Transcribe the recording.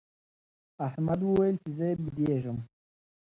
احمد وویل چي زه بېدېږم.